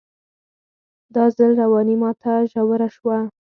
دا ځل رواني ماته ژوره شوه